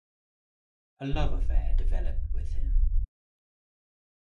A love affair developed with him.